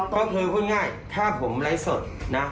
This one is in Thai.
ก็คือพูดง่ายถ้าผมไลฟ์สดนะ